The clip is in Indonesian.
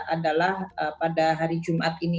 adalah pada hari jumat ini